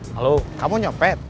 kalau kamu nyopet